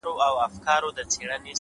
چي څوك تا نه غواړي _